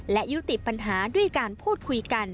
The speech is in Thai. และยุติปัญหาด้วยการพูดคุยกัน